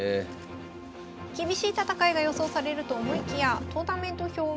厳しい戦いが予想されると思いきやトーナメント表を見ると。